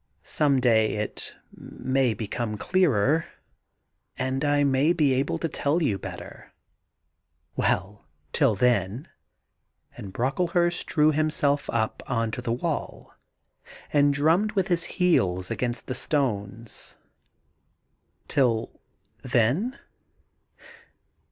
Some day it may become clearer, and I may be able to tell you better.' ' Well 1 — till then ' and Brocklehurst drew himself up on to the wall and drummed with his heels against the stones. 26 THE GARDEN GOD •TiUthen?'